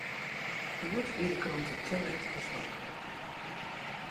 Hjoed wie de krante te let besoarge.